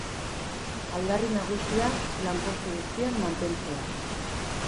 Aldarri nagusia, lanpostu guztiak mantentzea.